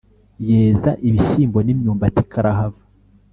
yeza ibishyimbo n’imyumbati karahava.